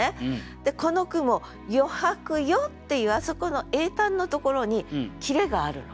でこの句も「余白よ」っていうあそこの詠嘆のところに切れがあるのね。